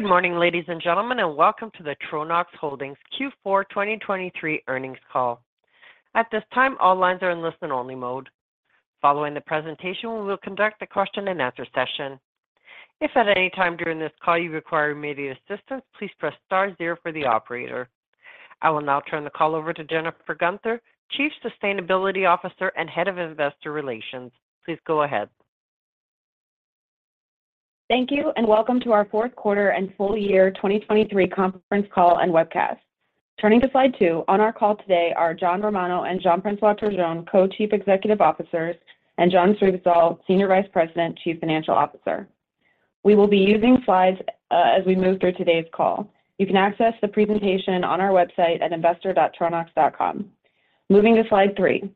Good morning, ladies and gentlemen, and welcome to the Tronox Holdings Q4 2023 earnings call. At this time, all lines are in listen-only mode. Following the presentation, we will conduct a question-and-answer session. If at any time during this call you require immediate assistance, please press star zero for the operator. I will now turn the call over to Jennifer Guenther, Chief Sustainability Officer and Head of Investor Relations. Please go ahead. Thank you, and welcome to our Q4 and full-year 2023 conference call and webcast. Turning to slide 2, on our call today are John Romano and Jean-François Turgeon, Co-Chief Executive Officers, and John Srivisal, Senior Vice President, Chief Financial Officer. We will be using slides, as we move through today's call. You can access the presentation on our website at investor.tronox.com. Moving to slide 3.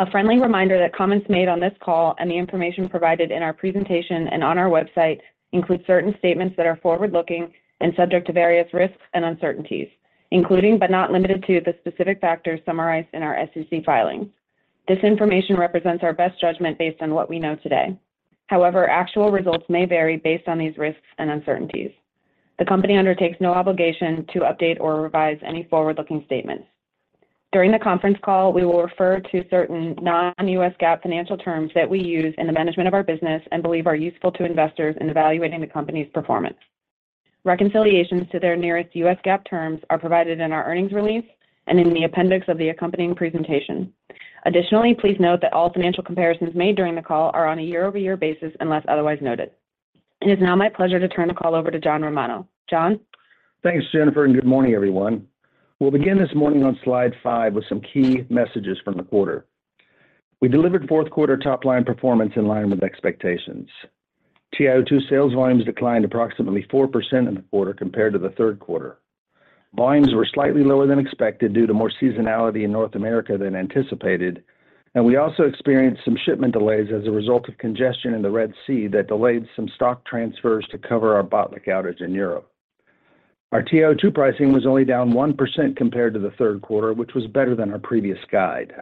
A friendly reminder that comments made on this call and the information provided in our presentation and on our website include certain statements that are forward-looking and subject to various risks and uncertainties, including but not limited to the specific factors summarized in our SEC filings. This information represents our best judgment based on what we know today. However, actual results may vary based on these risks and uncertainties. The company undertakes no obligation to update or revise any forward-looking statements. During the conference call, we will refer to certain non-U.S. GAAP financial terms that we use in the management of our business and believe are useful to investors in evaluating the company's performance. Reconciliations to their nearest U.S. GAAP terms are provided in our earnings release and in the appendix of the accompanying presentation. Additionally, please note that all financial comparisons made during the call are on a year-over-year basis unless otherwise noted. It is now my pleasure to turn the call over to John Romano. John? Thanks, Jennifer, and good morning, everyone. We'll begin this morning on slide five with some key messages from the quarter. We delivered Q4 top-line performance in line with expectations. TiO₂ sales volumes declined approximately 4% in the quarter compared to the Q3. Volumes were slightly lower than expected due to more seasonality in North America than anticipated, and we also experienced some shipment delays as a result of congestion in the Red Sea that delayed some stock transfers to cover our Botlek outage in Europe. Our TiO₂ pricing was only down 1% compared to the Q3, which was better than our previous guide.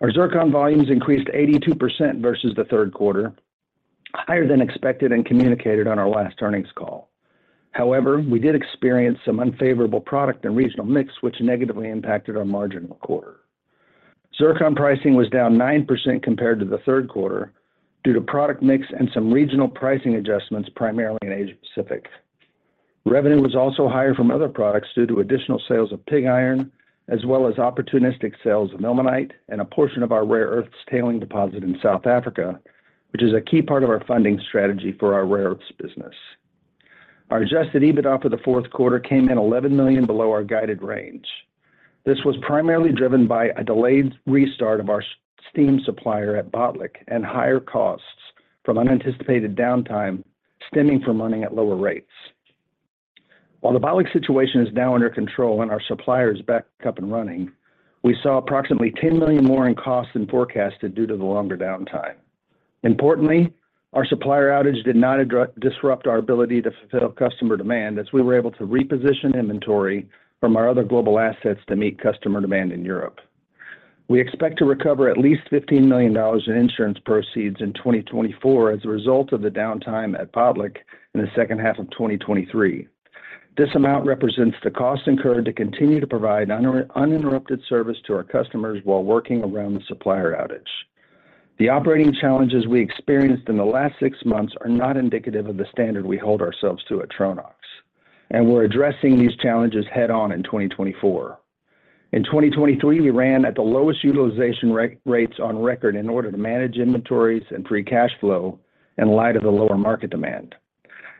Our zircon volumes increased 82% versus the Q3, higher than expected and communicated on our last earnings call. However, we did experience some unfavorable product and regional mix, which negatively impacted our margin in the quarter. Zircon pricing was down 9% compared to the Q3 due to product mix and some regional pricing adjustments, primarily in Asia-Pacific. Revenue was also higher from other products due to additional sales of pig iron, as well as opportunistic sales of monazite and a portion of our rare earths tailing deposit in South Africa, which is a key part of our funding strategy for our rare earths business. Our Adjusted EBITDA for the Q4 came in $11 million below our guided range. This was primarily driven by a delayed restart of our steam supplier at Botlek and higher costs from unanticipated downtime stemming from running at lower rates. While the Botlek situation is now under control and our supplier is back up and running, we saw approximately $10 million more in cost than forecasted due to the longer downtime. Importantly, our supplier outage did not disrupt our ability to fulfill customer demand as we were able to reposition inventory from our other global assets to meet customer demand in Europe. We expect to recover at least $15 million in insurance proceeds in 2024 as a result of the downtime at Botlek in the H2 of 2023. This amount represents the cost incurred to continue to provide uninterrupted service to our customers while working around the supplier outage. The operating challenges we experienced in the last six months are not indicative of the standard we hold ourselves to at Tronox, and we're addressing these challenges head-on in 2024. In 2023, we ran at the lowest utilization rates on record in order to manage inventories and free cash flow in light of the lower market demand.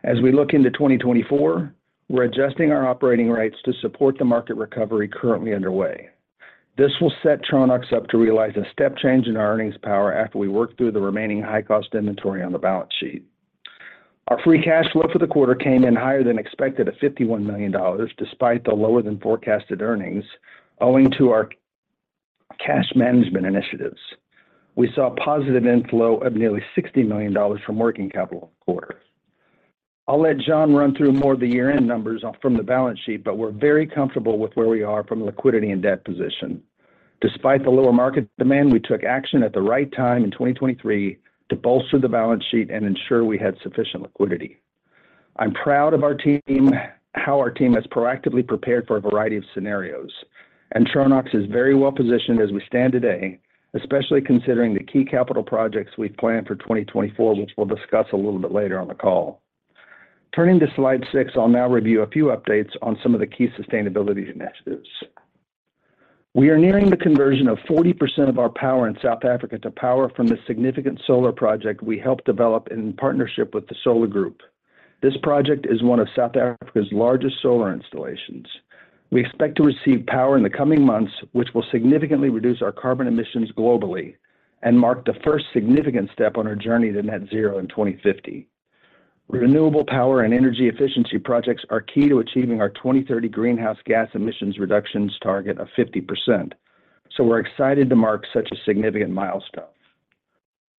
As we look into 2024, we're adjusting our operating rates to support the market recovery currently underway. This will set Tronox up to realize a step change in our earnings power after we work through the remaining high-cost inventory on the balance sheet. Our free cash flow for the quarter came in higher than expected at $51 million, despite the lower-than-forecasted earnings, owing to our cash management initiatives. We saw a positive inflow of nearly $60 million from working capital in the quarter. I'll let John run through more of the year-end numbers from the balance sheet, but we're very comfortable with where we are from liquidity and debt position. Despite the lower market demand, we took action at the right time in 2023 to bolster the balance sheet and ensure we had sufficient liquidity. I'm proud of our team, how our team has proactively prepared for a variety of scenarios, and Tronox is very well positioned as we stand today, especially considering the key capital projects we've planned for 2024, which we'll discuss a little bit later on the call. Turning to slide six, I'll now review a few updates on some of the key sustainability initiatives. We are nearing the conversion of 40% of our power in South Africa to power from the significant solar project we helped develop in partnership with the SOLA Group. This project is one of South Africa's largest solar installations. We expect to receive power in the coming months, which will significantly reduce our carbon emissions globally and mark the first significant step on our journey to net zero in 2050. Renewable power and energy efficiency projects are key to achieving our 2030 greenhouse gas emissions reductions target of 50%, so we're excited to mark such a significant milestone.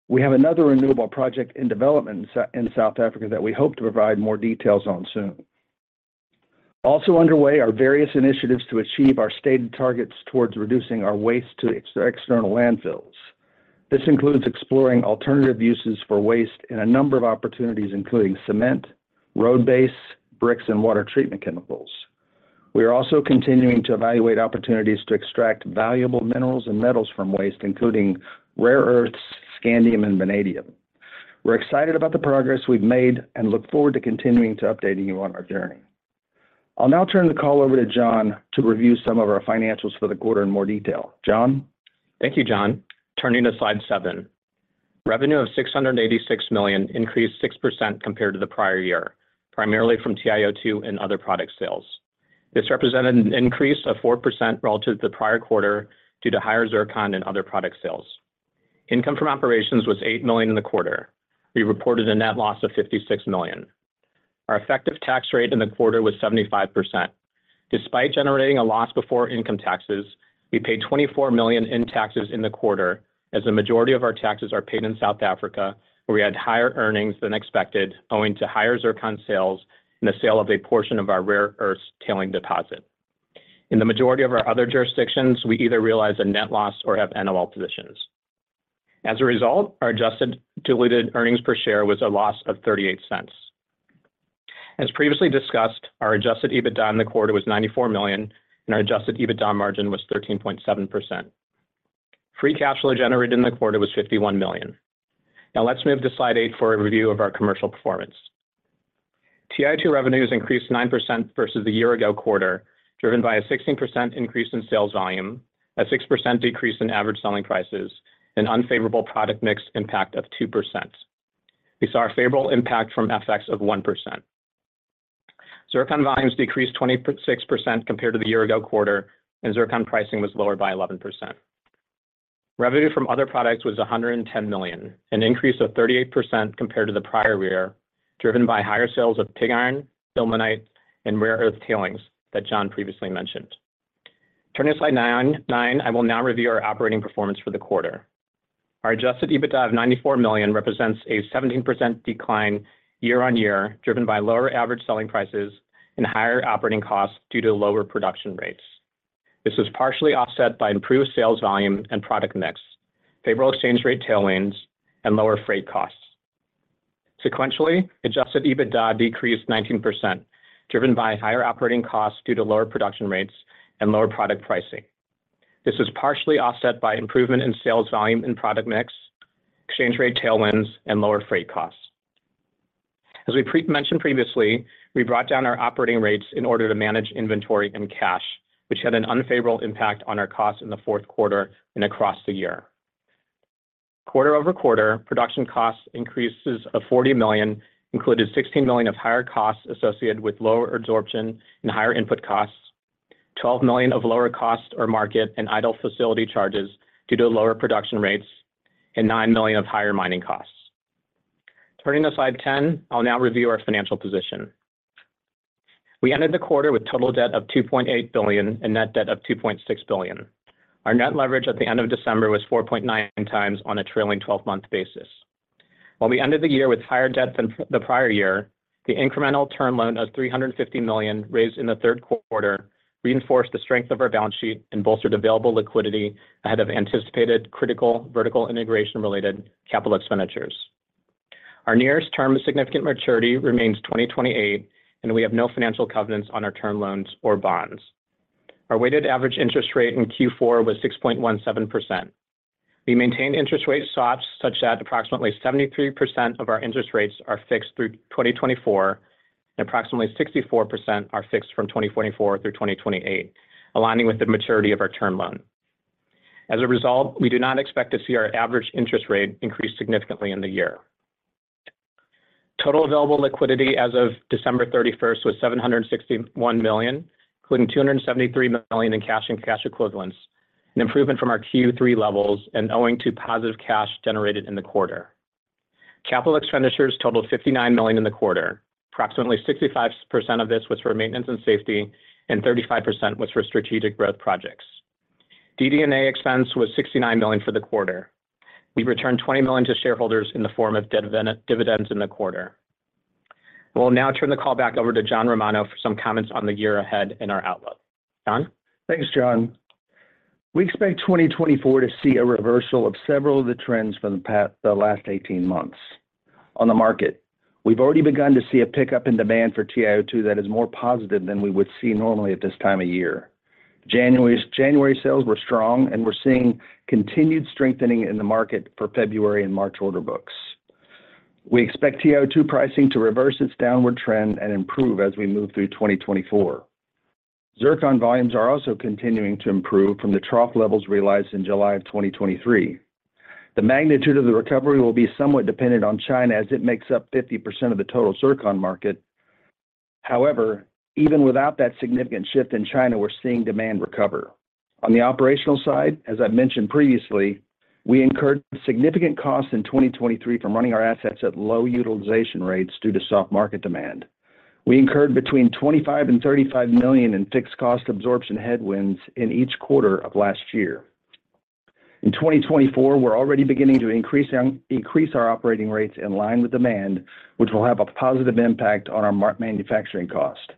We have another renewable project in development in South Africa that we hope to provide more details on soon. Also underway are various initiatives to achieve our stated targets towards reducing our waste to external landfills. This includes exploring alternative uses for waste in a number of opportunities, including cement, road base, bricks, and water treatment chemicals. We are also continuing to evaluate opportunities to extract valuable minerals and metals from waste, including rare earths, scandium, and vanadium. We're excited about the progress we've made and look forward to continuing to update you on our journey. I'll now turn the call over to John to review some of our financials for the quarter in more detail. John? Thank you, John. Turning to slide seven. Revenue of $686 million increased 6% compared to the prior year, primarily from TiO2 and other product sales. This represented an increase of 4% relative to the prior quarter due to higher Zircon and other product sales. Income from operations was $8 million in the quarter. We reported a net loss of $56 million. Our effective tax rate in the quarter was 75%. Despite generating a loss before income taxes, we paid $24 million in taxes in the quarter as the majority of our taxes are paid in South Africa, where we had higher earnings than expected, owing to higher Zircon sales and the sale of a portion of our rare earths tailing deposit. In the majority of our other jurisdictions, we either realize a net loss or have NOL positions. As a result, our adjusted diluted earnings per share was a loss of $0.38. As previously discussed, our adjusted EBITDA in the quarter was $94 million, and our adjusted EBITDA margin was 13.7%. Free cash flow generated in the quarter was $51 million. Now, let's move to slide 8 for a review of our commercial performance. TiO₂ revenues increased 9% versus the year-ago quarter, driven by a 16% increase in sales volume, a 6% decrease in average selling prices, and an unfavorable product mix impact of 2%. We saw a favorable impact from FX of 1%. Zircon volumes decreased 26% compared to the year-ago quarter, and zircon pricing was lower by 11%. Revenue from other products was $110 million, an increase of 38% compared to the prior year, driven by higher sales of pig iron, monazite, and rare earth tailings that John previously mentioned. Turning to slide 9, I will now review our operating performance for the quarter. Our adjusted EBITDA of $94 million represents a 17% decline year-on-year, driven by lower average selling prices and higher operating costs due to lower production rates. This was partially offset by improved sales volume and product mix, favorable exchange rate tailwinds, and lower freight costs. Sequentially, adjusted EBITDA decreased 19%, driven by higher operating costs due to lower production rates and lower product pricing. This was partially offset by improvement in sales volume and product mix, exchange rate tailwinds, and lower freight costs. As we prementioned previously, we brought down our operating rates in order to manage inventory and cash, which had an unfavorable impact on our costs in the Q4 and across the year. Quarter over Quarter, production costs increases of $40 million included $16 million of higher costs associated with lower absorption and higher input costs, $12 million of lower of cost or market and idle facility charges due to lower production rates, and $9 million of higher mining costs. Turning to slide 10, I'll now review our financial position. We ended the quarter with total debt of $2.8 billion and net debt of $2.6 billion. Our net leverage at the end of December was 4.9x on a trailing 12-month basis. While we ended the year with higher debt than the prior year, the incremental term loan of $350 million raised in the Q3 reinforced the strength of our balance sheet and bolstered available liquidity ahead of anticipated critical vertical integration-related capital expenditures. Our nearest term significant maturity remains 2028, and we have no financial covenants on our term loans or bonds. Our weighted average interest rate in Q4 was 6.17%. We maintain interest rate swaps such that approximately 73% of our interest rates are fixed through 2024, and approximately 64% are fixed from 2024 through 2028, aligning with the maturity of our term loan. As a result, we do not expect to see our average interest rate increase significantly in the year. Total available liquidity as of December 31st was $761 million, including $273 million in cash and cash equivalents, an improvement from our Q3 levels and owing to positive cash generated in the quarter. Capital expenditures totaled $59 million in the quarter. Approximately 65% of this was for maintenance and safety, and 35% was for strategic growth projects. DD&A expense was $69 million for the quarter. We returned $20 million to shareholders in the form of debt and dividends in the quarter. We'll now turn the call back over to John Romano for some comments on the year ahead in our outlook. John? Thanks, John. We expect 2024 to see a reversal of several of the trends from the past the last 18 months. On the market, we've already begun to see a pickup in demand for TiO₂ that is more positive than we would see normally at this time of year. January's, January sales were strong, and we're seeing continued strengthening in the market for February and March order books. We expect TiO₂ pricing to reverse its downward trend and improve as we move through 2024. Zircon volumes are also continuing to improve from the trough levels realized in July of 2023. The magnitude of the recovery will be somewhat dependent on China as it makes up 50% of the total Zircon market. However, even without that significant shift in China, we're seeing demand recover. On the operational side, as I've mentioned previously, we incurred significant costs in 2023 from running our assets at low utilization rates due to soft market demand. We incurred between $25-$35 million in fixed cost absorption headwinds in each quarter of last year. In 2024, we're already beginning to increase our operating rates in line with demand, which will have a positive impact on our manufacturing cost.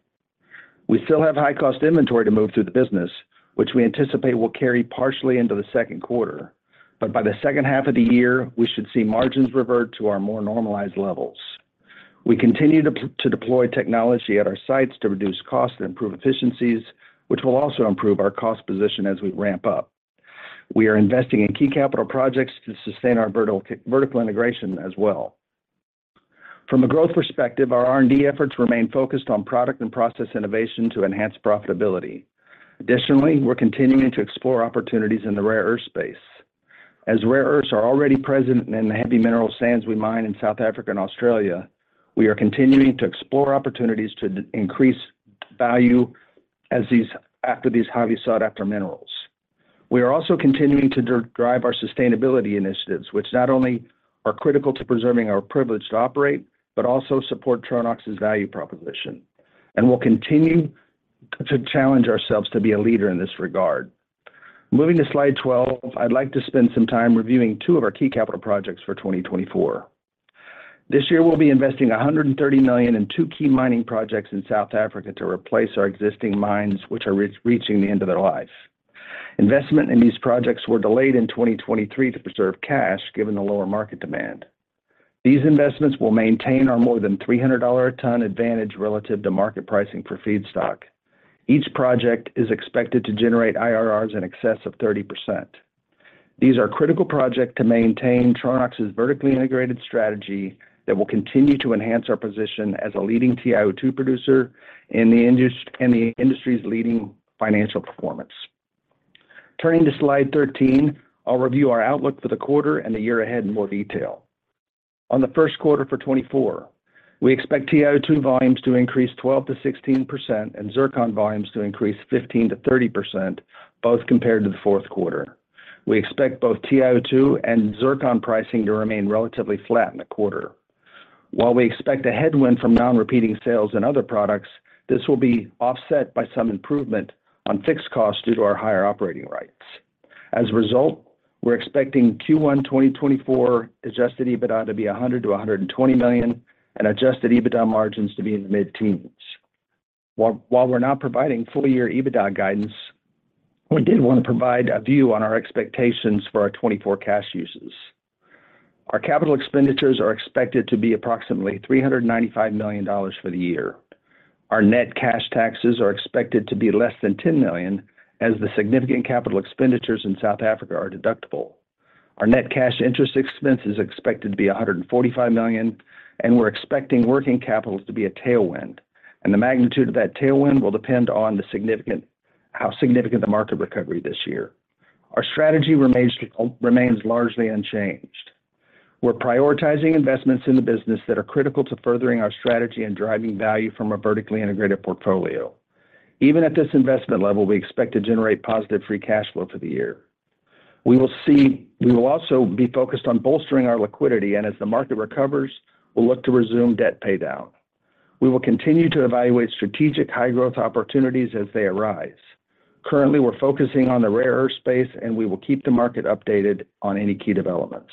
We still have high-cost inventory to move through the business, which we anticipate will carry partially into the Q2. But by the H2 of the year, we should see margins revert to our more normalized levels. We continue to deploy technology at our sites to reduce costs and improve efficiencies, which will also improve our cost position as we ramp up. We are investing in key capital projects to sustain our vertical integration as well. From a growth perspective, our R&D efforts remain focused on product and process innovation to enhance profitability. Additionally, we're continuing to explore opportunities in the rare earth space. As rare earths are already present in the heavy mineral sands we mine in South Africa and Australia, we are continuing to explore opportunities to increase value from these highly sought-after minerals. We are also continuing to drive our sustainability initiatives, which not only are critical to preserving our privilege to operate but also support Tronox's value proposition, and we'll continue to challenge ourselves to be a leader in this regard. Moving to slide 12, I'd like to spend some time reviewing two of our key capital projects for 2024. This year, we'll be investing $130 million in two key mining projects in South Africa to replace our existing mines, which are reaching the end of their life. Investment in these projects were delayed in 2023 to preserve cash given the lower market demand. These investments will maintain our more than $300 a ton advantage relative to market pricing for feedstock. Each project is expected to generate IRR's in excess of 30%. These are critical projects to maintain Tronox's vertically integrated strategy that will continue to enhance our position as a leading TiO2 producer in the industry's leading financial performance. Turning to slide 13, I'll review our outlook for the quarter and the year ahead in more detail. On the Q1 for 2024, we expect TiO2 volumes to increase 12%-16% and Zircon volumes to increase 15%-30%, both compared to the Q4. We expect both TiO2 and Zircon pricing to remain relatively flat in the quarter. While we expect a headwind from non-repeating sales in other products, this will be offset by some improvement on fixed costs due to our higher operating rights. As a result, we're expecting Q1 2024 Adjusted EBITDA to be $100-$120 million and Adjusted EBITDA margins to be in the mid-teens. While we're not providing full-year EBITDA guidance, we did want to provide a view on our expectations for our 2024 cash uses. Our capital expenditures are expected to be approximately $395 million for the year. Our net cash taxes are expected to be less than $10 million as the significant capital expenditures in South Africa are deductible. Our net cash interest expense is expected to be $145 million, and we're expecting working capital to be a tailwind, and the magnitude of that tailwind will depend on how significant the market recovery this year. Our strategy remains largely unchanged. We're prioritizing investments in the business that are critical to furthering our strategy and driving value from a vertically integrated portfolio. Even at this investment level, we expect to generate positive free cash flow for the year. We will also be focused on bolstering our liquidity, and as the market recovers, we'll look to resume debt paydown. We will continue to evaluate strategic high-growth opportunities as they arise. Currently, we're focusing on the rare earth space, and we will keep the market updated on any key developments.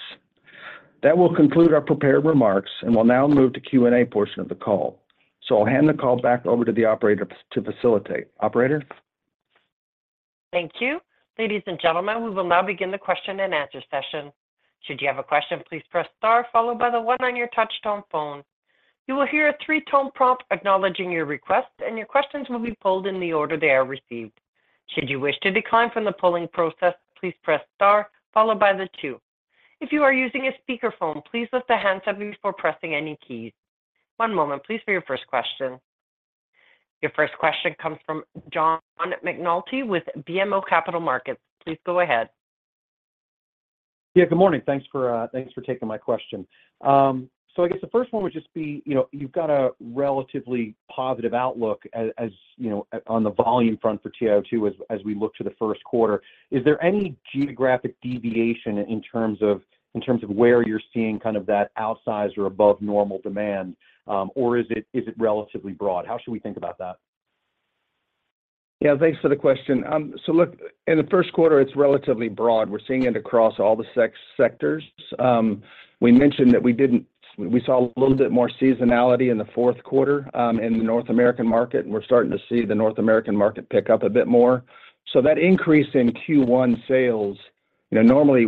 That will conclude our prepared remarks and will now move to Q&A portion of the call. I'll hand the call back over to the operator to facilitate. Operator? Thank you. Ladies and gentlemen, we will now begin the question and answer session. Should you have a question, please press star, followed by the one on your touch-tone phone. You will hear a three-tone prompt acknowledging your request, and your questions will be pulled in the order they are received. Should you wish to decline from the pulling process, please press star, followed by the two. If you are using a speakerphone, please lift the handset up before pressing any keys. One moment, please, for your first question. Your first question comes from John McNulty with BMO Capital Markets. Please go ahead. Yeah, good morning. Thanks for taking my question. So I guess the first one would just be you've got a relatively positive outlook as on the volume front for TiO₂ as we look to the Q1. Is there any geographic deviation in terms of where you're seeing kind of that outsized or above-normal demand, or is it relatively broad? How should we think about that? Yeah, thanks for the question. So look, in the Q1, it's relatively broad. We're seeing it across all the sectors. We mentioned that we saw a little bit more seasonality in the Q4 in the North American market, and we're starting to see the North American market pick up a bit more. So that increase in Q1 sales, normally,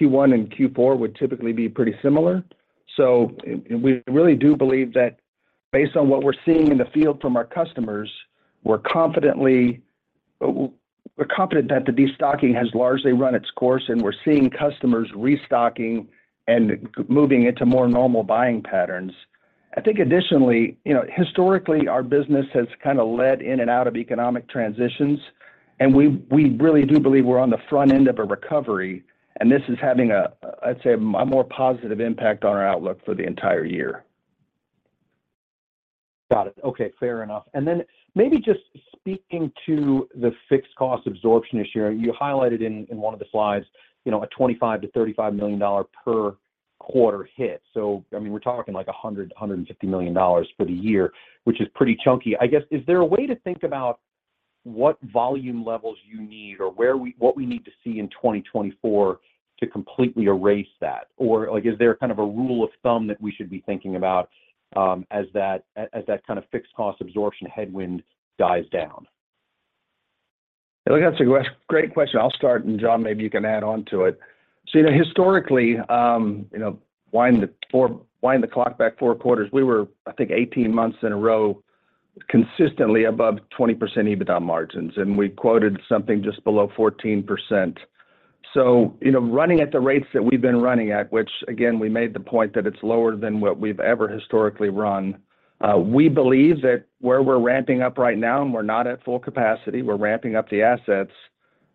Q1 and Q4 would typically be pretty similar. So we really do believe that based on what we're seeing in the field from our customers, we're confident that the destocking has largely run its course, and we're seeing customers restocking and moving into more normal buying patterns. I think additionally, historically, our business has kind of led in and out of economic transitions, and we really do believe we're on the front end of a recovery, and this is having a, I'd say, a more positive impact on our outlook for the entire year. Got it. Okay, fair enough. And then maybe just speaking to the fixed cost absorption this year, you highlighted in one of the slides a $25-$35 million per quarter hit. So I mean, we're talking like $100-150 million for the year, which is pretty chunky. I guess, is there a way to think about what volume levels you need or where we what we need to see in 2024 to completely erase that? Or is there kind of a rule of thumb that we should be thinking about as that kind of fixed cost absorption headwind dies down? Yeah, look, that's a great question. I'll start, and John, maybe you can add on to it. So historically, wind the clock back Q4, we were, I think, 18 months in a row consistently above 20% EBITDA margins, and we quoted something just below 14%. So running at the rates that we've been running at, which, again, we made the point that it's lower than what we've ever historically run, we believe that where we're ramping up right now, and we're not at full capacity, we're ramping up the assets,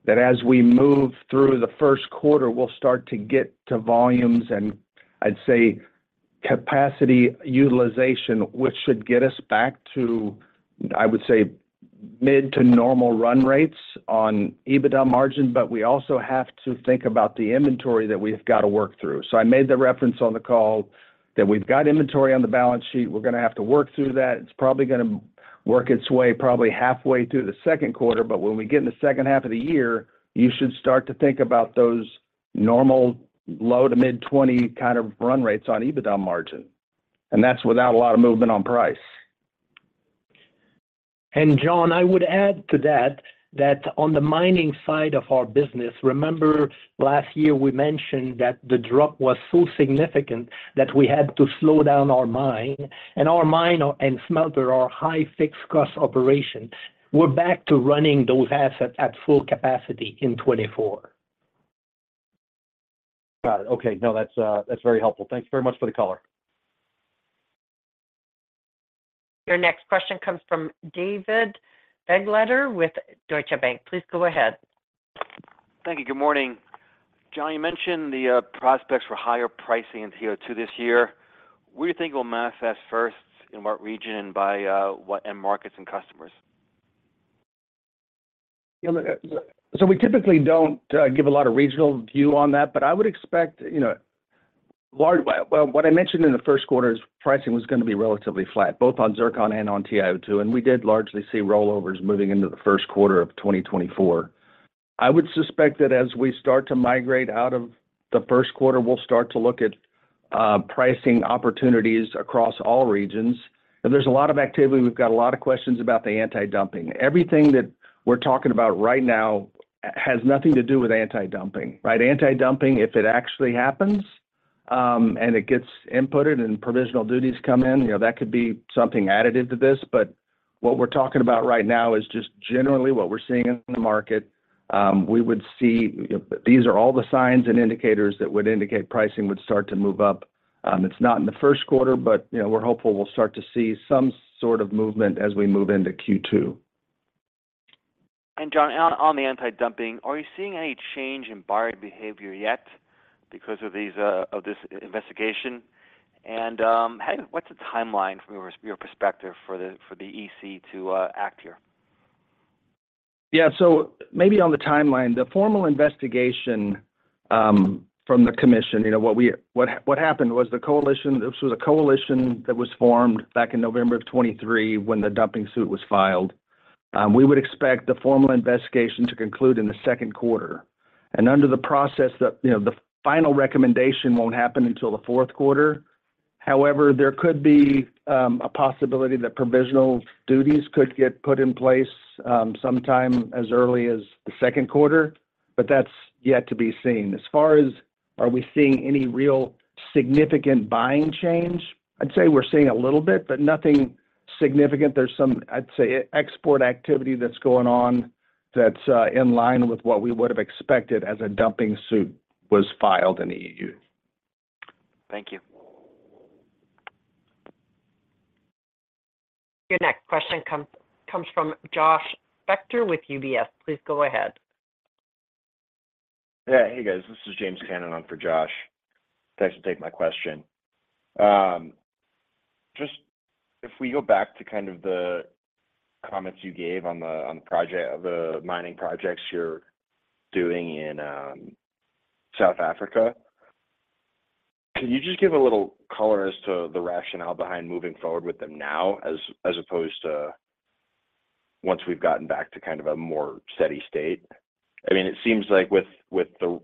that as we move through the Q1, we'll start to get to volumes and, I'd say, capacity utilization, which should get us back to, I would say, mid to normal run rates on EBITDA margin, but we also have to think about the inventory that we've got to work through. I made the reference on the call that we've got inventory on the balance sheet. We're going to have to work through that. It's probably going to work its way halfway through the Q2, but when we get in the H2 of the year, you should start to think about those normal low- to mid-20 kind of run rates on EBITDA margin, and that's without a lot of movement on price. John, I would add to that that on the mining side of our business, remember last year we mentioned that the drop was so significant that we had to slow down our mine and our mine and smelter our high fixed cost operation. We're back to running those assets at full capacity in 2024. Got it. Okay. No, that's very helpful. Thanks very much for the caller. Your next question comes from David Begleiter with Deutsche Bank. Please go ahead. Thank you. Good morning. John, you mentioned the prospects for higher pricing in TiO₂ this year. What do you think will manifest first in what region and by what end markets and customers? Yeah, look, so we typically don't give a lot of regional view on that, but I would expect, well, what I mentioned in the Q1 is pricing was going to be relatively flat, both on zircon and on TiO₂, and we did largely see rollovers moving into the Q1 of 2024. I would suspect that as we start to migrate out of the Q1, we'll start to look at pricing opportunities across all regions. There's a lot of activity. We've got a lot of questions about the anti-dumping. Everything that we're talking about right now has nothing to do with anti-dumping, right? Anti-dumping, if it actually happens and it gets inputted and provisional duties come in, that could be something additive to this. But what we're talking about right now is just generally what we're seeing in the market. We would see these are all the signs and indicators that would indicate pricing would start to move up. It's not in the Q1, but we're hopeful we'll start to see some sort of movement as we move into Q2. John, on the anti-dumping, are you seeing any change in buyer behavior yet because of this investigation? What's the timeline from your perspective for the EC to act here? Yeah, so maybe on the timeline, the formal investigation from the commission. What happened was the coalition. This was a coalition that was formed back in November of 2023 when the dumping suit was filed. We would expect the formal investigation to conclude in the Q2. Under the process, the final recommendation won't happen until the Q4. However, there could be a possibility that provisional duties could get put in place sometime as early as the Q2, but that's yet to be seen. As far as are we seeing any real significant buying change, I'd say we're seeing a little bit, but nothing significant. There's some, I'd say, export activity that's going on that's in line with what we would have expected as a dumping suit was filed in the EU. Thank you. Your next question comes from Josh Spector with UBS. Please go ahead. Yeah, hey guys. This is James Cannon. I'm for Josh. Thanks for taking my question. Just if we go back to kind of the comments you gave on the mining projects you're doing in South Africa, can you just give a little color as to the rationale behind moving forward with them now as opposed to once we've gotten back to kind of a more steady state? I mean, it seems like with the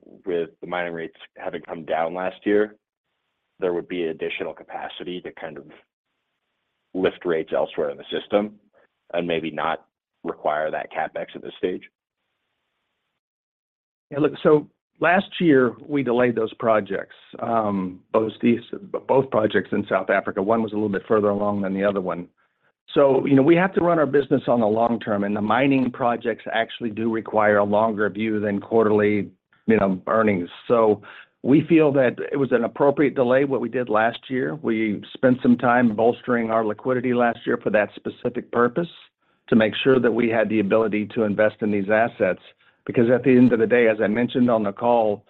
mining rates having come down last year, there would be additional capacity to kind of lift rates elsewhere in the system and maybe not require that CapEx at this stage. Yeah, look, so last year we delayed those projects, both projects in South Africa. One was a little bit further along than the other one. So we have to run our business on the long term, and the mining projects actually do require a longer view than quarterly earnings. So we feel that it was an appropriate delay, what we did last year. We spent some time bolstering our liquidity last year for that specific purpose to make sure that we had the ability to invest in these assets. Because at the end of the day, as I mentioned on the call,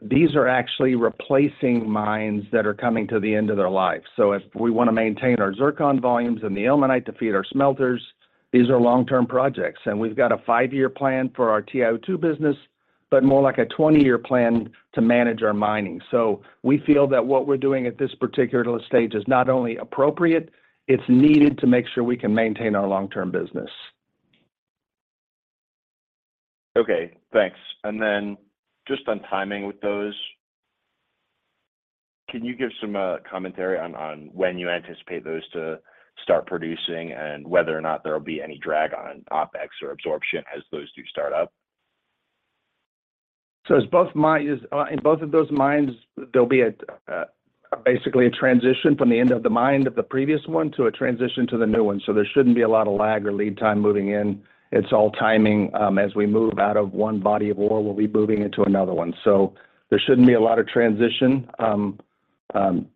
these are actually replacing mines that are coming to the end of their life. So if we want to maintain our Zircon volumes and the ilmenite to feed our smelters, these are long-term projects. We've got a five-year plan for our TiO₂ business, but more like a 20-year plan to manage our mining. We feel that what we're doing at this particular stage is not only appropriate, it's needed to make sure we can maintain our long-term business. Okay, thanks. And then just on timing with those, can you give some commentary on when you anticipate those to start producing and whether or not there'll be any drag on OpEx or absorption as those do start up? So as both mines in both of those mines, there'll be basically a transition from the end of the mine of the previous one to a transition to the new one. So there shouldn't be a lot of lag or lead time moving in. It's all timing. As we move out of one body of ore, we'll be moving into another one. So there shouldn't be a lot of transition.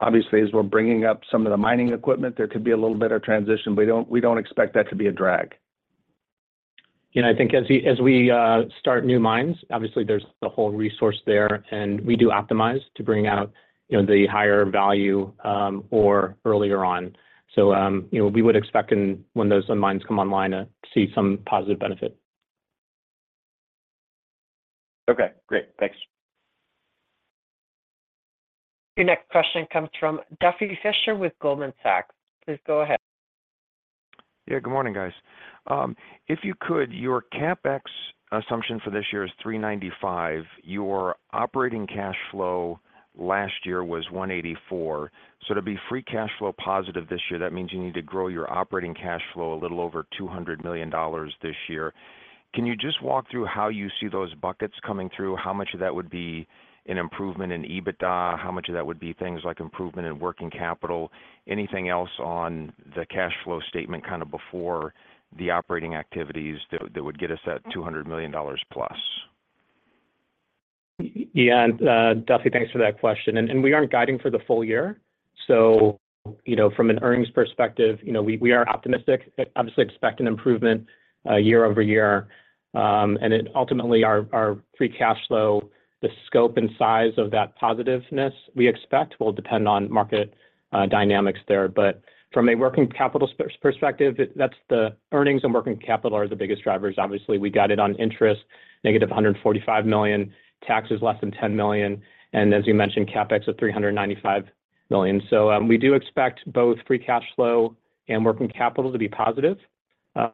Obviously, as we're bringing up some of the mining equipment, there could be a little bit of transition, but we don't expect that to be a drag. I think as we start new mines, obviously, there's the whole resource there, and we do optimize to bring out the higher value ore earlier on. So we would expect when those mines come online to see some positive benefit. Okay, great. Thanks. Your next question comes from Duffy Fischer with Goldman Sachs. Please go ahead. Yeah, good morning, guys. If you could, your CapEx assumption for this year is $395 million. Your operating cash flow last year was $184 million. So to be free cash flow positive this year, that means you need to grow your operating cash flow a little over $200 million this year. Can you just walk through how you see those buckets coming through, how much of that would be an improvement in EBITDA, how much of that would be things like improvement in working capital, anything else on the cash flow statement kind of before the operating activities that would get us at $200 million plus? Yeah, and Duffy, thanks for that question. We aren't guiding for the full year. So from an earnings perspective, we are optimistic, obviously expect an improvement year-over-year. And ultimately, our free cash flow, the scope and size of that positiveness we expect will depend on market dynamics there. But from a working capital perspective, the earnings and working capital are the biggest drivers. Obviously, we got it on interest negative $145 million, taxes less than $10 million, and as you mentioned, CapEx of $395 million. So we do expect both free cash flow and working capital to be positive.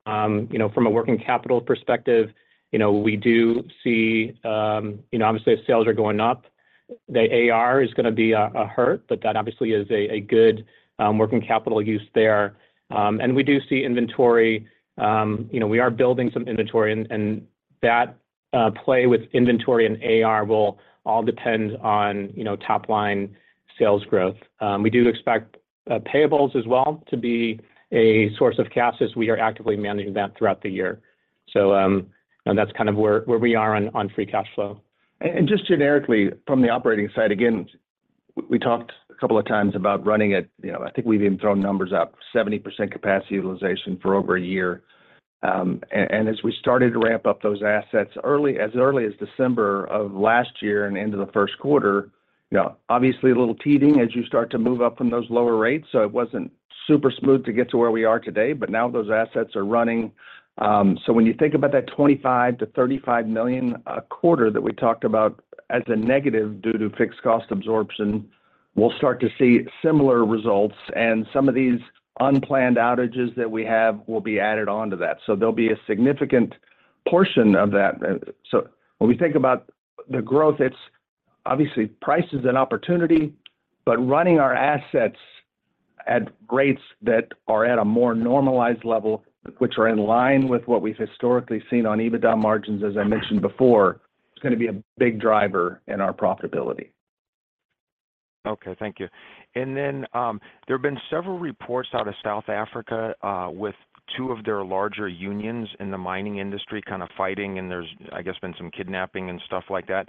From a working capital perspective, we do see obviously, sales are going up. The AR is going to be a hurt, but that obviously is a good working capital use there. And we do see inventory. We are building some inventory, and that play with inventory and AR will all depend on top-line sales growth. We do expect payables as well to be a source of cash as we are actively managing that throughout the year. That's kind of where we are on free cash flow. Just generically, from the operating side, again, we talked a couple of times about running at, I think, we've even thrown numbers up, 70% capacity utilization for over a year. And as we started to ramp up those assets as early as December of last year and into the Q1, obviously, a little teething as you start to move up from those lower rates. So it wasn't super smooth to get to where we are today, but now those assets are running. So when you think about that $25 million-$35 million a quarter that we talked about as a negative due to fixed cost absorption, we'll start to see similar results. And some of these unplanned outages that we have will be added on to that. So there'll be a significant portion of that. When we think about the growth, it's obviously price is an opportunity, but running our assets at rates that are at a more normalized level, which are in line with what we've historically seen on EBITDA margins, as I mentioned before, is going to be a big driver in our profitability. Okay, thank you. And then there have been several reports out of South Africa with two of their larger unions in the mining industry kind of fighting, and there's, I guess, been some kidnapping and stuff like that.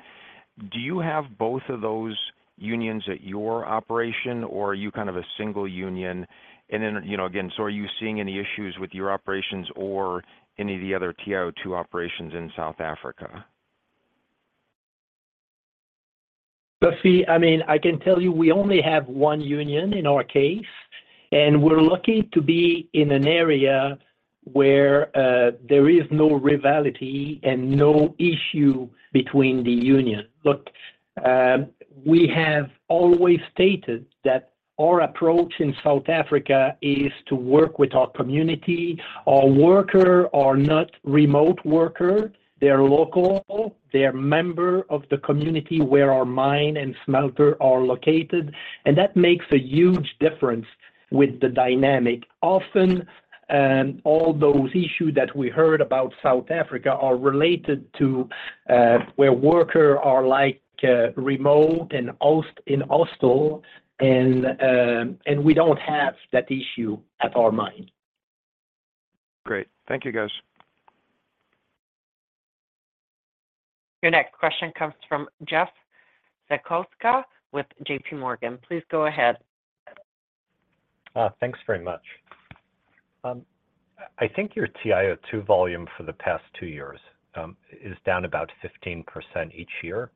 Do you have both of those unions at your operation, or are you kind of a single union? And then again, so are you seeing any issues with your operations or any of the other TiO₂ operations in South Africa? Duffy, I mean, I can tell you we only have one union in our case, and we're lucky to be in an area where there is no rivalry and no issue between the union. Look, we have always stated that our approach in South Africa is to work with our community, our worker, our non-remote worker. They're local. They're a member of the community where our mine and smelter are located. And that makes a huge difference with the dynamic. Often, all those issues that we heard about South Africa are related to where workers are remote and in hostels, and we don't have that issue at our mine. Great. Thank you, guys. Your next question comes from Jeff Zekauskas with JP Morgan. Please go ahead. Thanks very much. I think your TiO₂ volume for the past two years is down about 15% each year.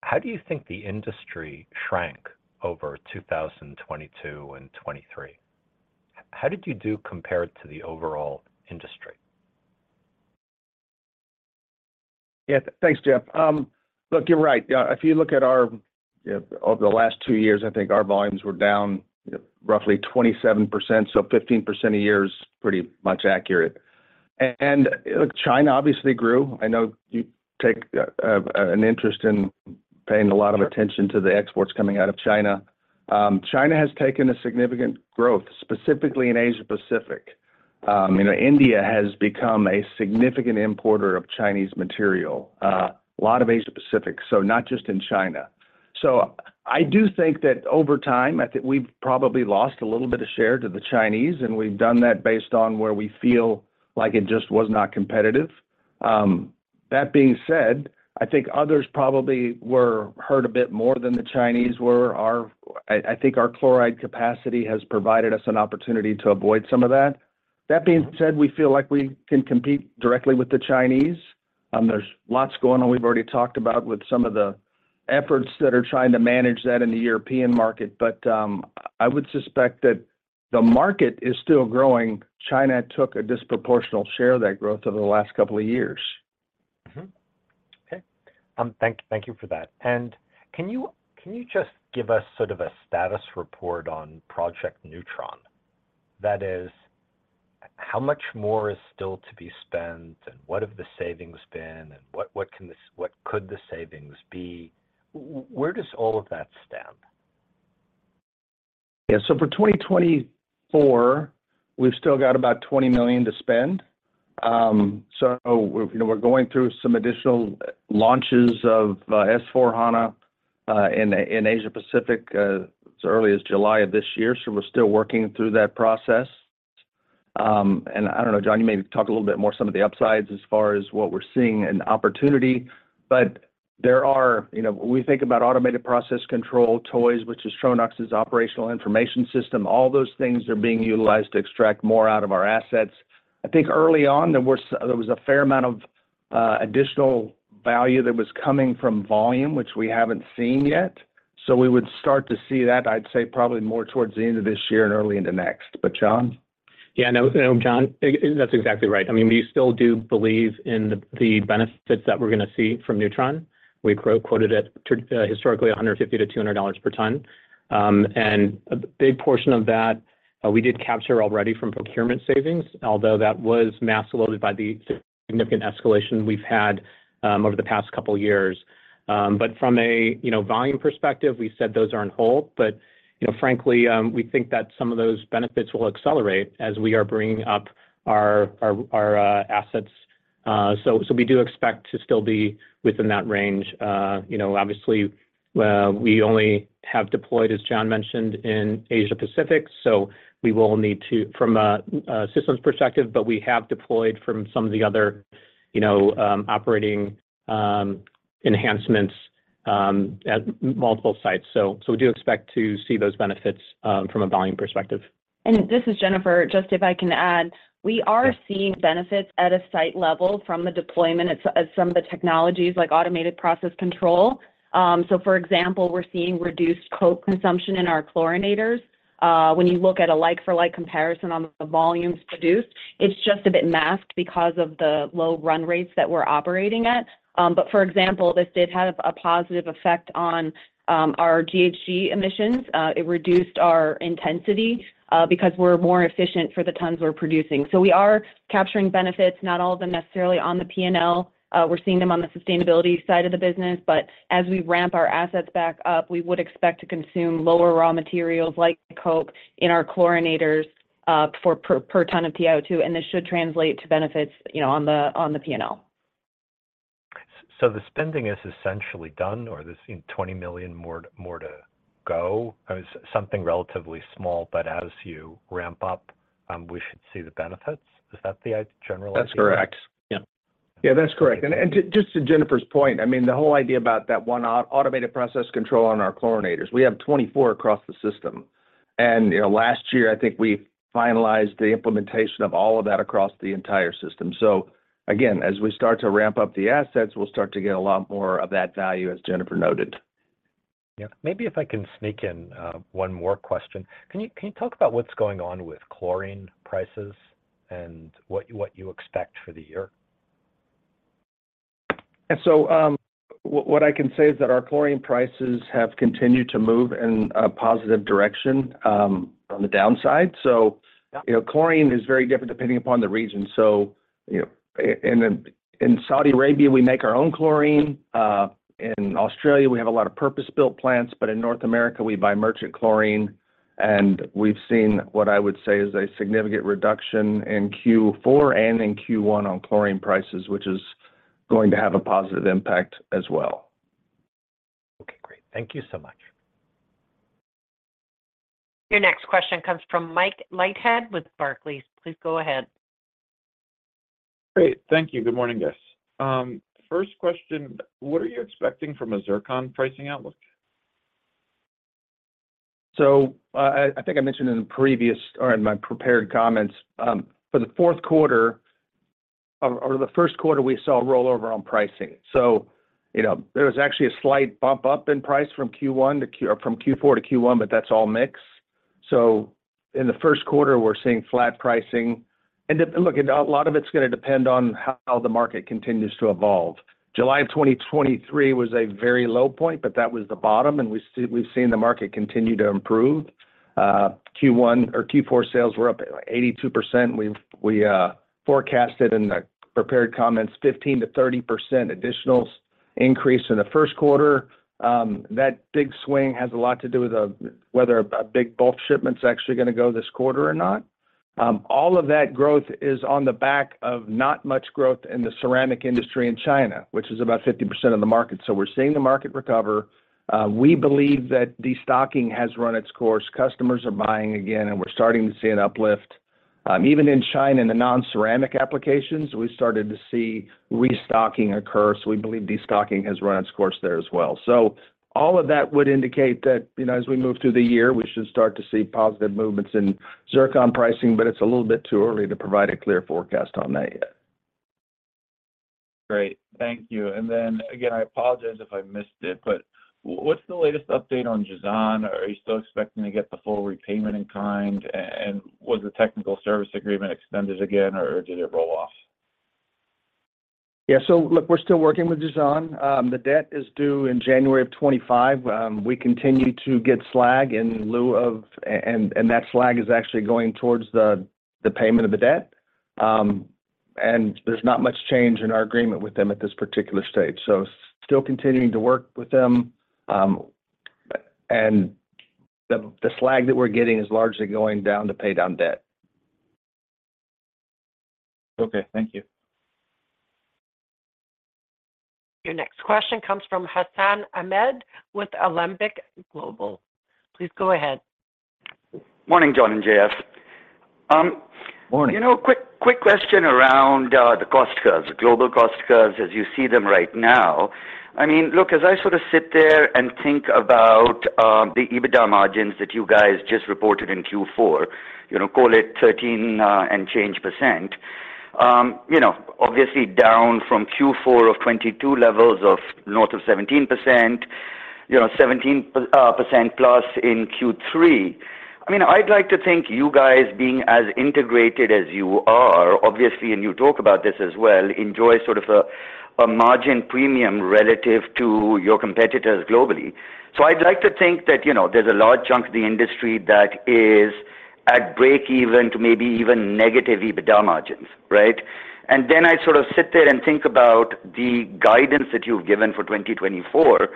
How do you think the industry shrank over 2022 and 2023? How did you do compared to the overall industry? Yeah, thanks, Jeff. Look, you're right. If you look at our over the last two years, I think our volumes were down roughly 27%, so 15% a year is pretty much accurate. Look, China obviously grew. I know you take an interest in paying a lot of attention to the exports coming out of China. China has taken a significant growth, specifically in Asia-Pacific. India has become a significant importer of Chinese material, a lot of Asia-Pacific, so not just in China. So I do think that over time, I think we've probably lost a little bit of share to the Chinese, and we've done that based on where we feel like it just was not competitive. That being said, I think others probably were hurt a bit more than the Chinese were. I think our chloride capacity has provided us an opportunity to avoid some of that. That being said, we feel like we can compete directly with the Chinese. There's lots going on. We've already talked about some of the efforts that are trying to manage that in the European market. But I would suspect that the market is still growing. China took a disproportionate share of that growth over the last couple of years. Okay. Thank you for that. And can you just give us sort of a status report on Project Neutron? That is, how much more is still to be spent, and what have the savings been, and what could the savings be? Where does all of that stand? Yeah, so for 2024, we've still got about $20 million to spend. So we're going through some additional launches of S/4HANA in Asia-Pacific as early as July of this year. So we're still working through that process. And I don't know, John, you may talk a little bit more some of the upsides as far as what we're seeing in opportunity. But there are we think about automated process control TOIS, which is Tronox's operational information system. All those things are being utilized to extract more out of our assets. I think early on, there was a fair amount of additional value that was coming from volume, which we haven't seen yet. So we would start to see that, I'd say, probably more towards the end of this year and early into next. But John? Yeah, no, John, that's exactly right. I mean, we still do believe in the benefits that we're going to see from Neutron. We quoted it historically $150-$200 per ton. And a big portion of that, we did capture already from procurement savings, although that was massively loaded by the significant escalation we've had over the past couple of years. But from a volume perspective, we said those are on hold. But frankly, we think that some of those benefits will accelerate as we are bringing up our assets. So we do expect to still be within that range. Obviously, we only have deployed, as John mentioned, in Asia-Pacific. So we will need to from a systems perspective, but we have deployed from some of the other operating enhancements at multiple sites. So we do expect to see those benefits from a volume perspective. This is Jennifer, just if I can add. We are seeing benefits at a site level from the deployment of some of the technologies like automated process control. For example, we're seeing reduced coke consumption in our chlorinators. When you look at a like-for-like comparison on the volumes produced, it's just a bit masked because of the low run rates that we're operating at. But for example, this did have a positive effect on our GHG emissions. It reduced our intensity because we're more efficient for the tons we're producing. So we are capturing benefits, not all of them necessarily on the P&L. We're seeing them on the sustainability side of the business. But as we ramp our assets back up, we would expect to consume lower raw materials like coke in our chlorinators per ton of TiO₂. And this should translate to benefits on the P&L. So the spending is essentially done, or there's $20 million more to go? I mean, something relatively small, but as you ramp up, we should see the benefits. Is that the general idea? That's correct. Yeah. Yeah, that's correct. And just to Jennifer's point, I mean, the whole idea about that one automated process control on our chlorinators, we have 24 across the system. And last year, I think we finalized the implementation of all of that across the entire system. So again, as we start to ramp up the assets, we'll start to get a lot more of that value, as Jennifer noted. Yeah. Maybe if I can sneak in one more question. Can you talk about what's going on with chlorine prices and what you expect for the year? Yeah, so what I can say is that our chlorine prices have continued to move in a positive direction on the downside. So chlorine is very different depending upon the region. So in Saudi Arabia, we make our own chlorine. In Australia, we have a lot of purpose-built plants. But in North America, we buy merchant chlorine. And we've seen what I would say is a significant reduction in Q4 and in Q1 on chlorine prices, which is going to have a positive impact as well. Okay, great. Thank you so much. Your next question comes from Mike Leithead with Barclays. Please go ahead. Great. Thank you. Good morning, guys. First question, what are you expecting from a zircon pricing outlook? So I think I mentioned in the previous or in my prepared comments, for the Q4 or the Q1, we saw a rollover on pricing. So there was actually a slight bump up in price from Q4 to Q1, but that's all mix. So in the Q1, we're seeing flat pricing. And look, a lot of it's going to depend on how the market continues to evolve. July of 2023 was a very low point, but that was the bottom. And we've seen the market continue to improve. Q1 or Q4 sales were up 82%. We forecasted in the prepared comments 15%-30% additional increase in the Q1. That big swing has a lot to do with whether a big bulk shipment's actually going to go this quarter or not. All of that growth is on the back of not much growth in the ceramic industry in China, which is about 50% of the market. So we're seeing the market recover. We believe that destocking has run its course. Customers are buying again, and we're starting to see an uplift. Even in China in the non-ceramic applications, we started to see restocking occur. So we believe destocking has run its course there as well. So all of that would indicate that as we move through the year, we should start to see positive movements in Zircon pricing, but it's a little bit too early to provide a clear forecast on that yet. Great. Thank you. And then again, I apologize if I missed it, but what's the latest update on Jazan? Are you still expecting to get the full repayment in kind? And was the technical service agreement extended again, or did it roll off? Yeah, so look, we're still working with Jazan. The debt is due in January of 2025. We continue to get slag in lieu of and that slag is actually going towards the payment of the debt. There's not much change in our agreement with them at this particular stage. Still continuing to work with them. And the slag that we're getting is largely going down to pay down debt. Okay. Thank you. Your next question comes from Hassan Ahmed with Alembic Global. Please go ahead. Morning, John and JF. Morning. Quick question around the cost cuts, the global cost cuts, as you see them right now. I mean, look, as I sort of sit there and think about the EBITDA margins that you guys just reported in Q4, call it 13% and change, obviously down from Q4 of 2022 levels of north of 17%, 17% plus in Q3. I mean, I'd like to think you guys, being as integrated as you are, obviously, and you talk about this as well, enjoy sort of a margin premium relative to your competitors globally. So I'd like to think that there's a large chunk of the industry that is at break-even to maybe even negative EBITDA margins, right? And then I sort of sit there and think about the guidance that you've given for 2024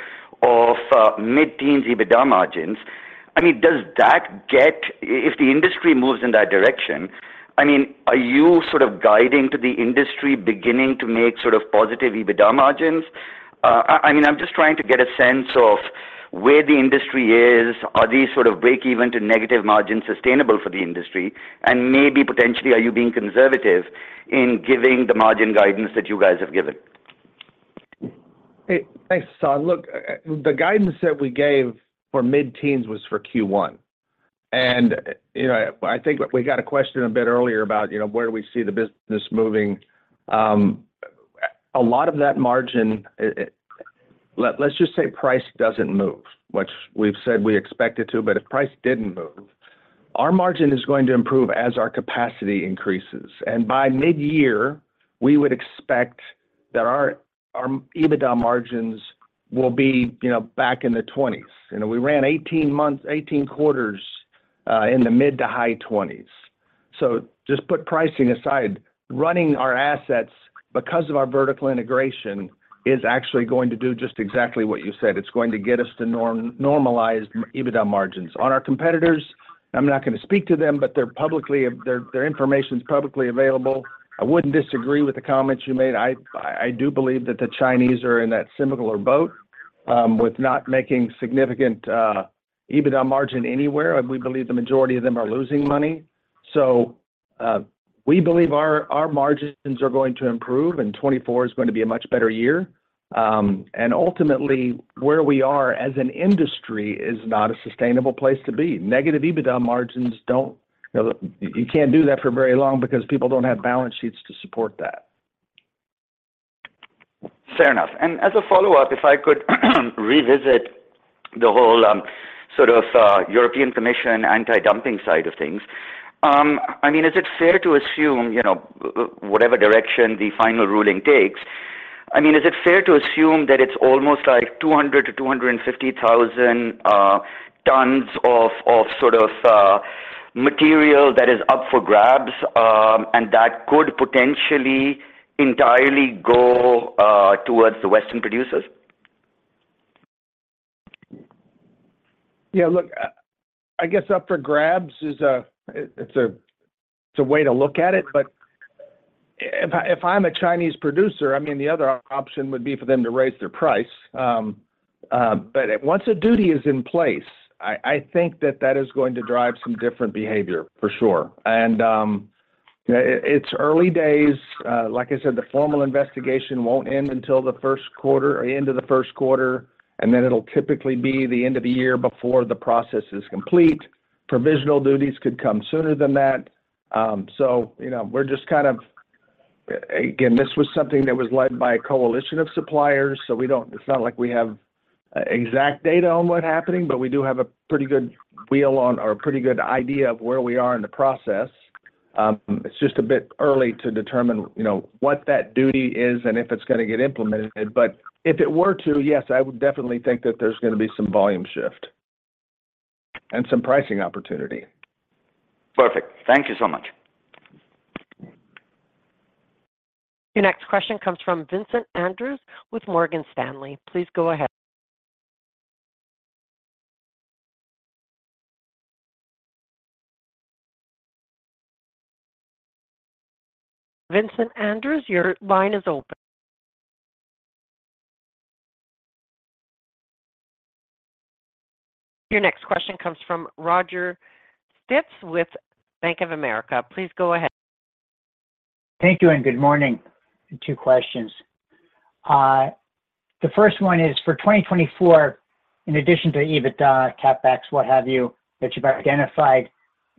of mid-teens EBITDA margins. I mean, does that get if the industry moves in that direction, I mean, are you sort of guiding to the industry beginning to make sort of positive EBITDA margins? I mean, I'm just trying to get a sense of where the industry is. Are these sort of break-even to negative margins sustainable for the industry? And maybe potentially, are you being conservative in giving the margin guidance that you guys have given? Hey, thanks, Son. Look, the guidance that we gave for mid-teens was for Q1. And I think we got a question a bit earlier about where do we see the business moving. A lot of that margin, let's just say price doesn't move, which we've said we expect it to. But if price didn't move, our margin is going to improve as our capacity increases. And by mid-year, we would expect that our EBITDA margins will be back in the 20s. We ran 18 quarters in the mid- to high 20s. So just put pricing aside, running our assets because of our vertical integration is actually going to do just exactly what you said. It's going to get us to normalized EBITDA margins. On our competitors, I'm not going to speak to them, but their information's publicly available. I wouldn't disagree with the comments you made. I do believe that the Chinese are in that similar boat with not making significant EBITDA margin anywhere. We believe the majority of them are losing money. So we believe our margins are going to improve, and 2024 is going to be a much better year. And ultimately, where we are as an industry is not a sustainable place to be. Negative EBITDA margins don't. You can't do that for very long because people don't have balance sheets to support that. Fair enough. As a follow-up, if I could revisit the whole sort of European Commission Anti-Dumping side of things, I mean, is it fair to assume whatever direction the final ruling takes, I mean, is it fair to assume that it's almost like 200,000-250,000 tons of sort of material that is up for grabs and that could potentially entirely go towards the Western producers? Yeah, look, I guess up for grabs is a—it's a way to look at it. But if I'm a Chinese producer, I mean, the other option would be for them to raise their price. But once a duty is in place, I think that that is going to drive some different behavior, for sure. And it's early days. Like I said, the formal investigation won't end until the Q1 or end of the Q1. And then it'll typically be the end of the year before the process is complete. Provisional duties could come sooner than that. So we're just kind of again, this was something that was led by a coalition of suppliers. So it's not like we have exact data on what's happening, but we do have a pretty good wheel on or a pretty good idea of where we are in the process. It's just a bit early to determine what that duty is and if it's going to get implemented. But if it were to, yes, I would definitely think that there's going to be some volume shift and some pricing opportunity. Perfect. Thank you so much. Your next question comes from Vincent Andrews with Morgan Stanley. Please go ahead. Vincent Andrews, your line is open. Your next question comes from Roger Spitz with Bank of America. Please go ahead. Thank you and good morning. Two questions. The first one is, for 2024, in addition to EBITDA, CapEx, what have you that you've identified,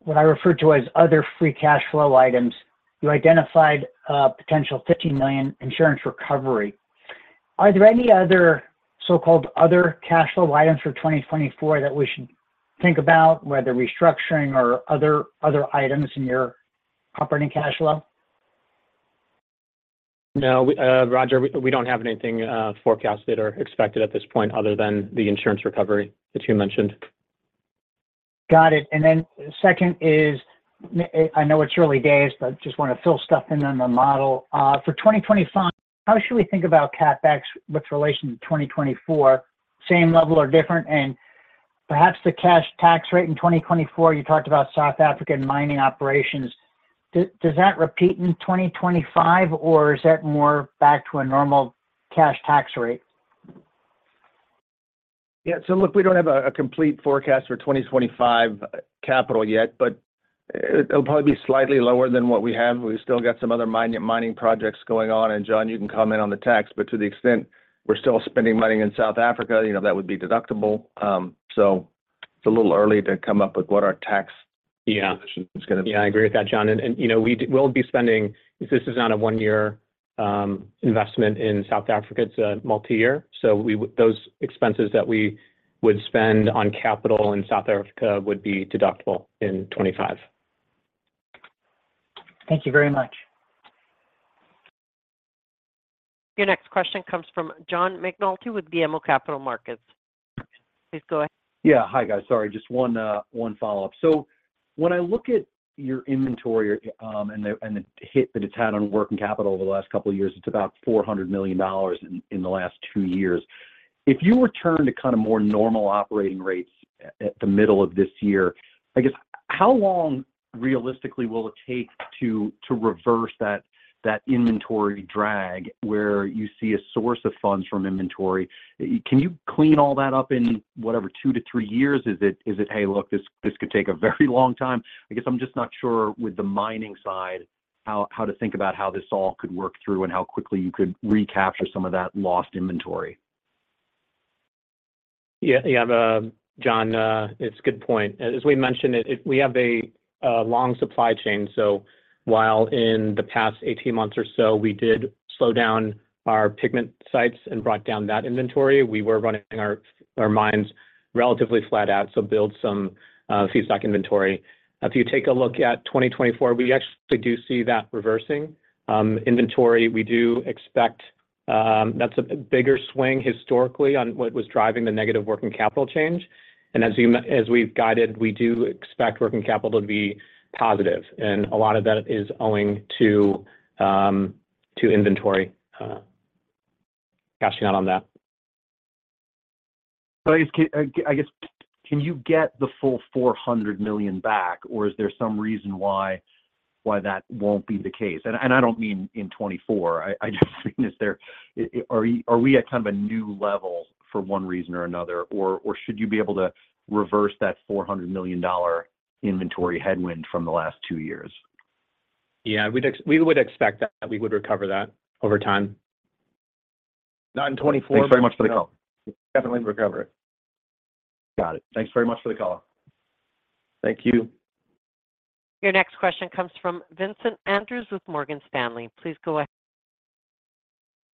what I refer to as other free cash flow items, you identified a potential $15 million insurance recovery. Are there any other so-called other cash flow items for 2024 that we should think about, whether restructuring or other items in your operating cash flow? No, Roger, we don't have anything forecasted or expected at this point other than the insurance recovery that you mentioned. Got it. And then second is I know it's early days, but just want to fill stuff in on the model. For 2025, how should we think about CapEx with relation to 2024? Same level or different? And perhaps the cash tax rate in 2024, you talked about South African mining operations. Does that repeat in 2025, or is that more back to a normal cash tax rate? Yeah, so look, we don't have a complete forecast for 2025 capital yet, but it'll probably be slightly lower than what we have. We've still got some other mining projects going on. And John, you can comment on the tax. But to the extent we're still spending money in South Africa, that would be deductible. So it's a little early to come up with what our tax position is going to be. Yeah, I agree with that, John. And we'll be spending. This is not a one-year investment in South Africa. It's a multi-year. So those expenses that we would spend on capital in South Africa would be deductible in 2025. Thank you very much. Your next question comes from John McNulty with BMO Capital Markets. Please go ahead. Yeah, hi, guys. Sorry, just one follow-up. So when I look at your inventory and the hit that it's had on working capital over the last couple of years, it's about $400 million in the last two years. If you return to kind of more normal operating rates at the middle of this year, I guess, how long realistically will it take to reverse that inventory drag where you see a source of funds from inventory? Can you clean all that up in whatever, two to three years? Is it, "Hey, look, this could take a very long time"? I guess I'm just not sure with the mining side how to think about how this all could work through and how quickly you could recapture some of that lost inventory. Yeah, yeah, John, it's a good point. As we mentioned, we have a long supply chain. So while in the past 18 months or so, we did slow down our pigment sites and brought down that inventory, we were running our mines relatively flat out, so build some feedstock inventory. If you take a look at 2024, we actually do see that reversing inventory. We do expect that's a bigger swing historically on what was driving the negative working capital change. And as we've guided, we do expect working capital to be positive. And a lot of that is owing to inventory. Cashing out on that. So I guess, can you get the full $400 million back, or is there some reason why that won't be the case? And I don't mean in 2024. I just mean, are we at kind of a new level for one reason or another, or should you be able to reverse that $400 million inventory headwind from the last two years? Yeah, we would expect that. We would recover that over time. Not in 2024. Thanks very much for the call. Definitely recover it. Got it. Thanks very much for the call. Thank you. Your next question comes from Vincent Andrews with Morgan Stanley. Please go ahead.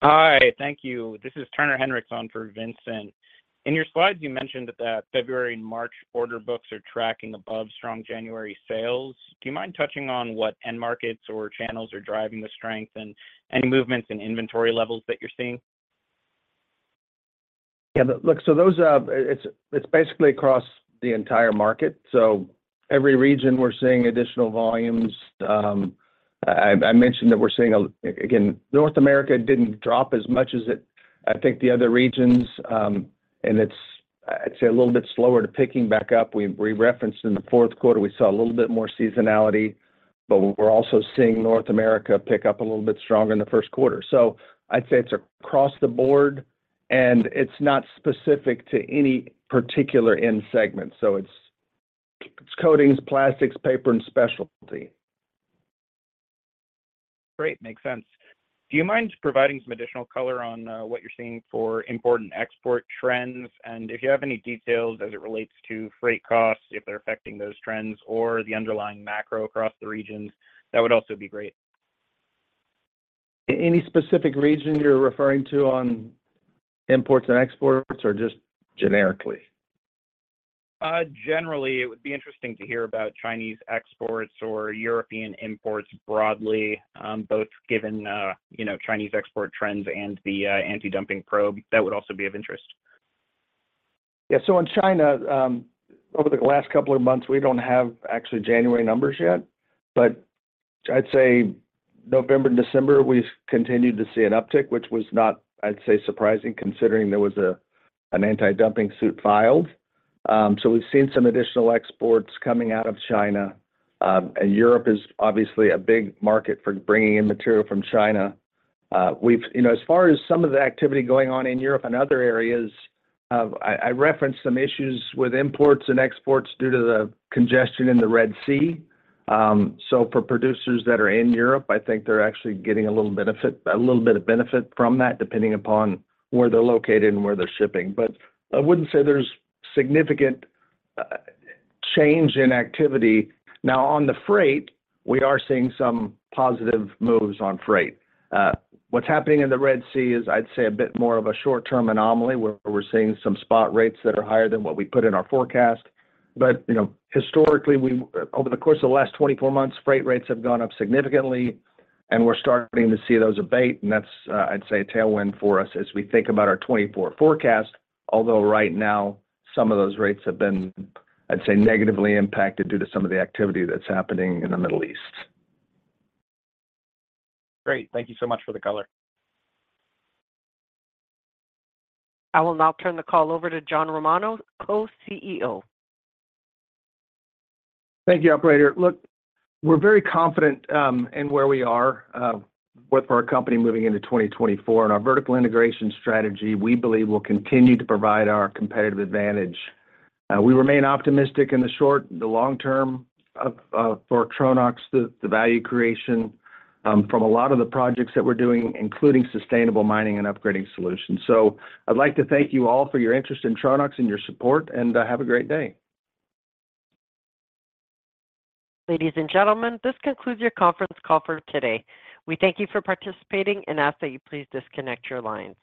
Hi, thank you. This is Turner Henriksen for Vincent. In your slides, you mentioned that February and March order books are tracking above strong January sales. Do you mind touching on what end markets or channels are driving the strength and any movements in inventory levels that you're seeing? Yeah, look, so it's basically across the entire market. So every region, we're seeing additional volumes. I mentioned that we're seeing again, North America didn't drop as much as I think the other regions. And it's, I'd say, a little bit slower to picking back up. We referenced in the Q4, we saw a little bit more seasonality. But we're also seeing North America pick up a little bit stronger in the Q1. So I'd say it's across the board. And it's not specific to any particular end segment. So it's coatings, plastics, paper, and specialty. Great. Makes sense. Do you mind providing some additional color on what you're seeing for import and export trends? And if you have any details as it relates to freight costs, if they're affecting those trends or the underlying macro across the regions, that would also be great. Any specific region you're referring to on imports and exports or just generically? Generally, it would be interesting to hear about Chinese exports or European imports broadly, both given Chinese export trends and the anti-dumping probe. That would also be of interest. Yeah, so in China, over the last couple of months, we don't have actually January numbers yet. But I'd say November and December, we continued to see an uptick, which was not, I'd say, surprising considering there was an anti-dumping suit filed. So we've seen some additional exports coming out of China. And Europe is obviously a big market for bringing in material from China. As far as some of the activity going on in Europe and other areas, I referenced some issues with imports and exports due to the congestion in the Red Sea. So for producers that are in Europe, I think they're actually getting a little bit of benefit from that, depending upon where they're located and where they're shipping. But I wouldn't say there's significant change in activity. Now, on the freight, we are seeing some positive moves on freight. What's happening in the Red Sea is, I'd say, a bit more of a short-term anomaly where we're seeing some spot rates that are higher than what we put in our forecast. But historically, over the course of the last 24 months, freight rates have gone up significantly. And we're starting to see those abate. And that's, I'd say, a tailwind for us as we think about our 2024 forecast, although right now, some of those rates have been, I'd say, negatively impacted due to some of the activity that's happening in the Middle East. Great. Thank you so much for the color. I will now turn the call over to John Romano, Co-CEO. Thank you, operator. Look, we're very confident in where we are with our company moving into 2024. Our vertical integration strategy, we believe, will continue to provide our competitive advantage. We remain optimistic in the short and the long term for Tronox, the value creation from a lot of the projects that we're doing, including sustainable mining and upgrading solutions. I'd like to thank you all for your interest in Tronox and your support. Have a great day. Ladies and gentlemen, this concludes your conference call for today. We thank you for participating and ask that you please disconnect your lines.